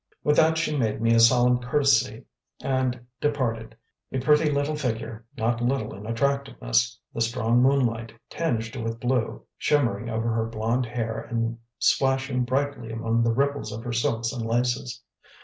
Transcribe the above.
With that she made me a solemn courtesy and departed, a pretty little figure, not little in attractiveness, the strong moonlight, tinged with blue, shimmering over her blond hair and splashing brightly among the ripples of her silks and laces.